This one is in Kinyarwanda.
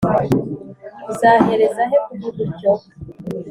Uzahereza he kuvuga utyo?